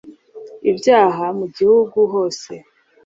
ibyaha mu gihugu hose